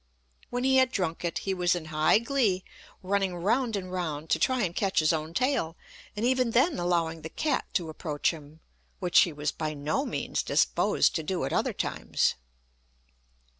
When he had drunk it, he was in high glee, running round and round to try and catch his own tail, and even then allowing the cat to approach him, which he was by no means disposed to do at other times."